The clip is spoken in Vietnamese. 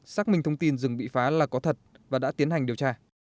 xác minh thông tin rừng bị phá là có thật và đã tiến hành điều tra